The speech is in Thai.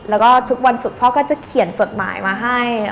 แล้วก็ทุกวันศุกร์พ่อก็จะเขียนจดหมายมาให้